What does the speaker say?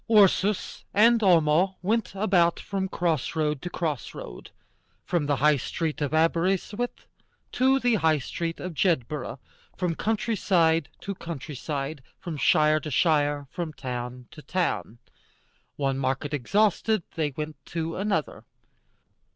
Ursus and Homo went about from cross road to cross road, from the High Street of Aberystwith to the High Street of Jedburgh, from country side to country side, from shire to shire, from town to town. One market exhausted, they went on to another.